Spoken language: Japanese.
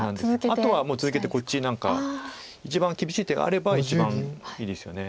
あとは続けてこっち何か一番厳しい手があれば一番いいですよね。